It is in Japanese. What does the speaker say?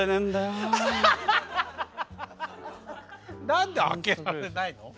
何で開けられないの？